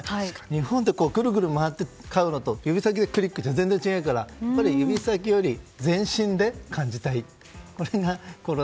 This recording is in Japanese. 日本でぐるぐる回って買うのと指先でクリックじゃ全然違うから指先より全身で感じたい。